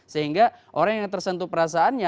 sehingga orang yang tersentuh perasaannya